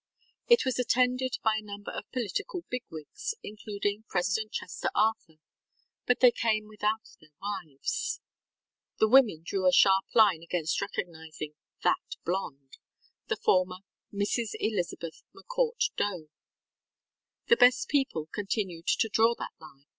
It was attended by a number of political big wigs, including President Chester Arthur; but they came without their wives. The women drew a sharp line against recognizing ŌĆ£that blonde, ŌĆØ the former Mrs. Elizabeth McCourt Doe. The best people continued to draw that line.